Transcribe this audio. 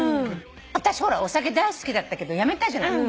私お酒大好きだったけどやめたじゃない。